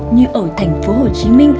như ở tp hcm